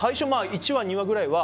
１話、２話ぐらいは